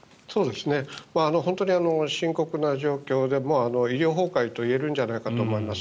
本当に深刻な状況で医療崩壊と言えるんじゃないかと思います。